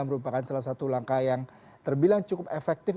merupakan salah satu langkah yang terbilang cukup efektif